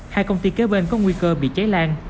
hai công ty kế bên có nguy cơ bị cháy lan